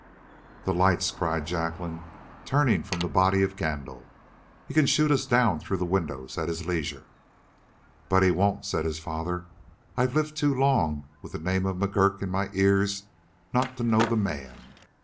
"The lights!" cried Jacqueline, turning from the body of Gandil. "He can shoot us down through the windows at his leisure." "But he won't," said her father. "I've lived too long with the name of McGurk in my ears not to know the man.